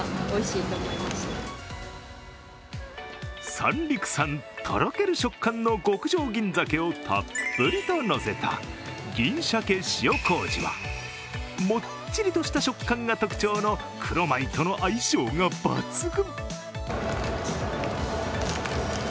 三陸産とろける食感の極上銀じゃけをたっぷりとのせた銀しゃけ塩こうじはもっちりとした食感が特徴の黒米との相性が抜群。